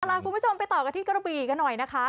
ลาคุณผู้ชมไปต่อกันที่กระบีกันหน่อยนะคะ